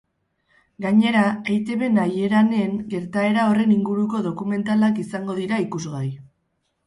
Gainera, eitbnahieranen gertaera horren inguruko dokumentalak izango dira ikusgai.